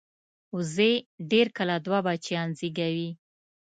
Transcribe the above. وزې ډېر کله دوه بچیان زېږوي